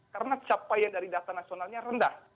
karena capaian dari data nasionalnya rendah